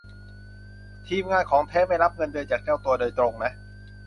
ทีมงาน ของแท้ ไม่รับเงินเดือนจากเจ้าตัวโดยตรงนะ